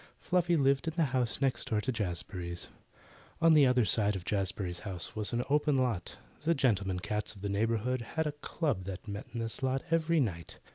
Fluffy lived in the house next door to Jazbury's. At the other side of Jazbury's house was an open lot. The gentlemen cats of the neighbourhood had a club that met in this lot every night.